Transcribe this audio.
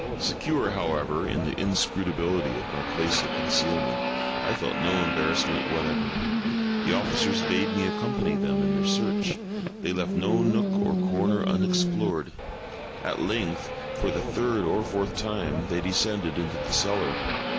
Secure, however, in the inscrutability of my place of concealment, I felt no embarrassment whatever. The officers bade me accompany them in their search. They left no nook or corner unexplored. At length, for the third or fourth time, they descended into the cellar.